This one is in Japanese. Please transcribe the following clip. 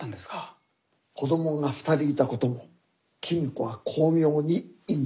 子どもが２人いたことも公子は巧妙に隠蔽しました。